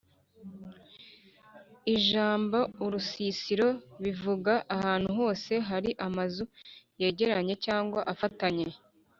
ijambo’’urusisiro’’bivuga ahantu hose hari amazu yegeranye cyangwa afatanye